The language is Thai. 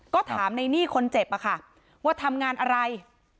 ก็ถามในหนี้คนเจ็บอะค่ะว่าทำงานอะไร